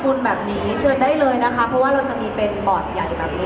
บุญแบบนี้เชิญได้เลยนะคะเพราะว่าเราจะมีเป็นบอร์ดใหญ่แบบนี้